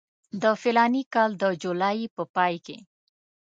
د فلاني کال د جولای په پای کې.